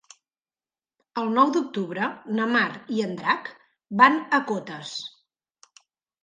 El nou d'octubre na Mar i en Drac van a Cotes.